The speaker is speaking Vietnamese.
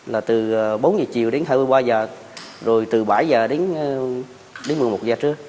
là từ bốn giờ chiều đến hai mươi ba h rồi từ bảy giờ đến một mươi một giờ trước